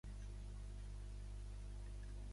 Hi ha molta bellesa i sabuderia a ambdues cultures.